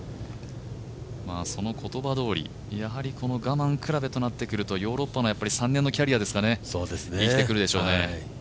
その言葉どおり、やはり我慢比べとなってくるとヨーロッパの３年のキャリアですかね、生きてくるでしょうね。